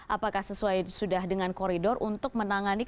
apakah sesuai sudah dengan koridor untuk menangani kasus hukum